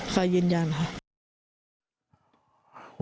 ฝ่ายยืนยันค่ะ